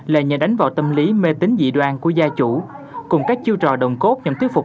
là nhờ đánh vào tâm lý mê tính dị đoan của gia chủ cùng các chiêu trò đồng cốt nhằm thuyết phục